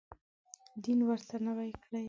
دین ورته نوی کړي.